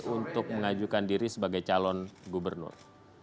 untuk mengajukan diri sebagai calon gubernur